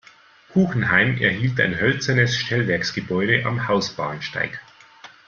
Kuchenheim erhielt ein hölzernes Stellwerksgebäude am Hausbahnsteig.